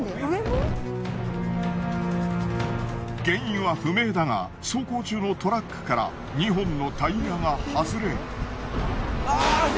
原因は不明だが走行中のトラックから２本のタイヤが外れ。